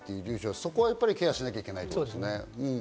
そこはケアしなけいけないということですね。